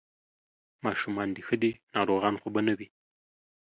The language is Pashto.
ماشومان دې ښه دي، ناروغان خو به نه وي؟